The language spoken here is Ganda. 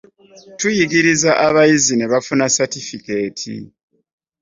Tuyigiriza abayizi ne bafuna satifikeeti